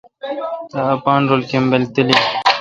تا اپین رل کمبل تالیل۔